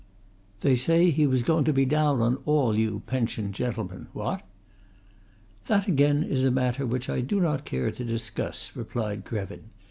"They say he was going to be down on all you pensioned gentlemen what?" "That, again, is a matter which I do not care to discuss," replied Krevin.